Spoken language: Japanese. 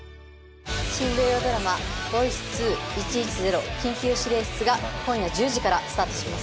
新土曜ドラマ『ボイス１１０緊急指令室』が今夜１０時からスタートします。